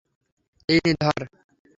এই নে ধর!